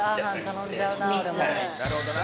なるほどな。